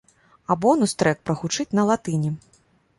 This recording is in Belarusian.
А бонус трэк прагучыць на латыні.